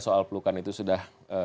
soal pelukan itu sudah